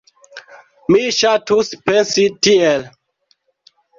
Mi ŝatus pensi tiel.